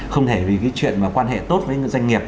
không thể vì cái chuyện mà quan hệ tốt với doanh nghiệp